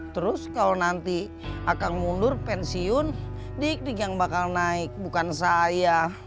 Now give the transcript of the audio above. terus kalau nanti akan mundur pensiun dik dik yang bakal naik bukan saya